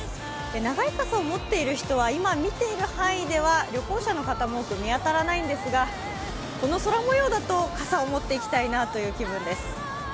長い傘を持っている人は今見ているかぎりでは旅行者の方も多く見当たらないんですがこの空模様だと傘を持っていきたいなという気分です。